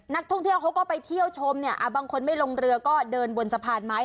นักท่องเที่ยวเขาก็ไปเที่ยวชมเนี่ยบางคนไม่ลงเรือก็เดินบนสะพานไม้